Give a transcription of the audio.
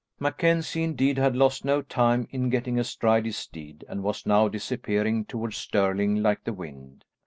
MacKenzie indeed had lost no time in getting astride his steed, and was now disappearing towards Stirling like the wind.